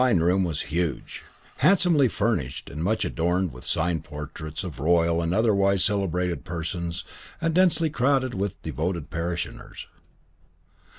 The Vicarage drawing room was huge, handsomely furnished, much adorned with signed portraits of royal and otherwise celebrated persons, and densely crowded with devoted parishioners.